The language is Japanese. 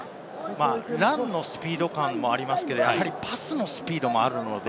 ランのスピード感もありますが、パスのスピードもあるので。